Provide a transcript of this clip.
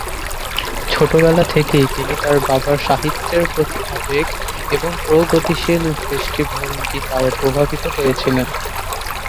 ছোটবেলা থেকেই তিনি তাঁর বাবার সাহিত্যের প্রতি আবেগ এবং প্রগতিশীল দৃষ্টিভঙ্গি দ্বারা প্রভাবিত হয়েছিলেন।